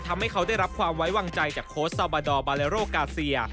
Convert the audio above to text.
ทำให้เขาได้รับความไว้วางใจจากโค้ชซาบาดอร์บาเลโรกาเซีย